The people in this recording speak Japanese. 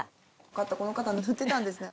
この方塗ってたんですね。